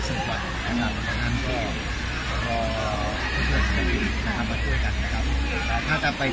เนื้อมที่ได้รักษือมือรักษือที่ดีสุขภัย